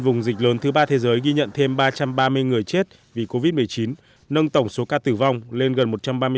vùng dịch lớn thứ ba thế giới ghi nhận thêm ba trăm ba mươi người chết vì covid một mươi chín nâng tổng số ca tử vong lên gần một trăm ba mươi sáu chín trăm linh